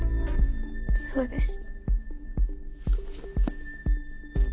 そうです。